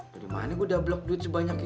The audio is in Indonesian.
beri money gue udah blok duit sebanyak itu